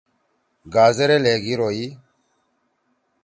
گازرے لھیگیِر ہوئی۔